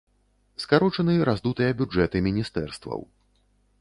Скарочаны раздутыя бюджэты міністэрстваў.